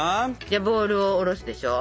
ボウルを下ろすでしょ。